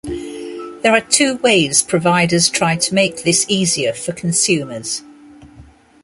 There are two ways providers try to make this easier for consumers.